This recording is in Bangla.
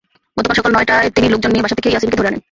গতকাল সকাল নয়টায় তিনি লোকজন দিয়ে বাসা থেকে ইয়াছিনকে ধরে আনেন।